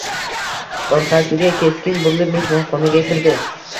Orqasiga keskin burilib, mehmonxonaga kirdi.